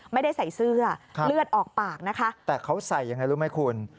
ไม่ได้ใส่เสื้อเหลือดอกปากแต่ว่าเขาใส่อย่างไรรู้มั้ยคุณ